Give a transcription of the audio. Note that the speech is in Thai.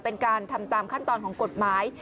เป็นการทำตามขั้นตอนของกฎหมาย